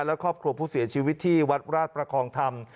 และครอบครัวผู้เสียชีวิตที่วัดราชประคองธรรม